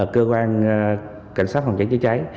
cơ quan cảnh sát phòng cháy cháy